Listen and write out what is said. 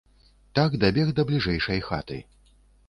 Так дабег да бліжэйшай хаты.